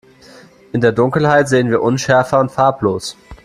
In der Dunkelheit sehen wir unschärfer und farblos.